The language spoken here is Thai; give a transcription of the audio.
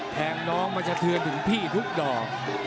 แทงน้องมาสะเทือนถึงพี่ทุกดอก